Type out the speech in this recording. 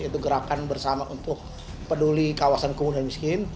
itu gerakan bersama untuk peduli kawasan kumun dan miskin